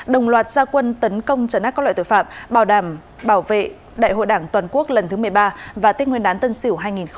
đồng loạt gia quân tấn công trấn áp các loại tội phạm bảo đảm bảo vệ đại hội đảng toàn quốc lần thứ một mươi ba và tết nguyên đán tân sỉu hai nghìn hai mươi một